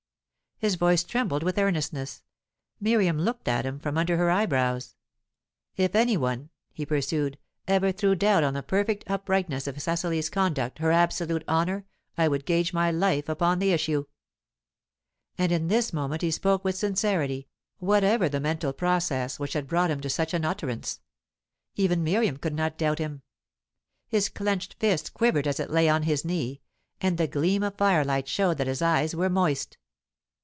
His voice trembled with earnestness. Miriam looked at from under her eyebrows. "If any one," he pursued, "ever threw doubt on the perfect uprightness of Cecily's conduct, her absolute honour, I would gage my life upon the issue." And in this moment he spoke with sincerity, whatever the mental process which had brought him to such an utterance. Even Miriam could not doubt him. His clenched fist quivered as it lay on his knee, and the gleam of firelight showed that his eyes were moist.